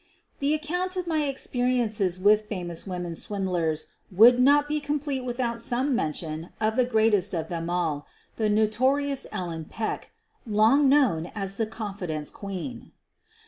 The account of my experiences with famous woul en swindlers would not be complete without some mention of the greatest of them all — the notorious Ellen Peek, long known as the "Confidence Queen.'